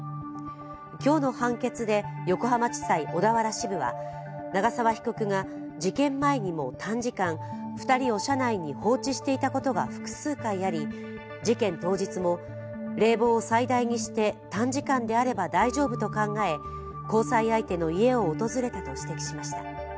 今日の判決で横浜地裁小田原支部は長沢被告が事件前にも短時間、２人を車内に放置していたことが複数回あり、事件当日も冷房を最大にして短時間であれば大丈夫と考え、交際相手の家を訪れたと指摘しました。